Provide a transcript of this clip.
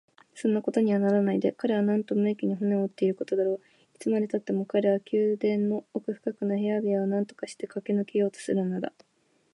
そんなことにはならないで、彼はなんと無益に骨を折っていることだろう。いつまでたっても彼は宮殿の奥深くの部屋部屋をなんとかしてかけ抜けようとするのだ。